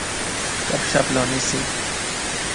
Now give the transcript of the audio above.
گپ شپ لانے سے